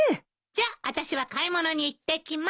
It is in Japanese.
じゃあたしは買い物に行ってきます。